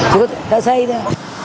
chỉ có đã xây thôi